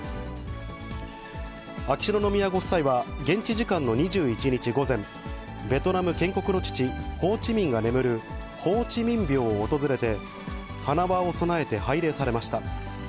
秋篠宮ご夫妻は、現地時間の２１日午前、ベトナム建国の父、ホー・チ・ミンが眠るホー・チ・ミンびょうを訪れて、花輪を供えて拝礼されました。